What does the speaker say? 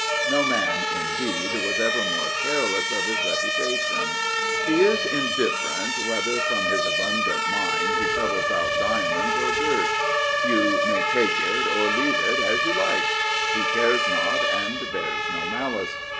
No man, indeed, was ever more careless of his reputation. He is indifferent whether from his abundant mine he shovels out diamonds or dirt. 338 Gilbert K. Chesterton You may take it or leave it, as you like. He cares not, and bears no malice.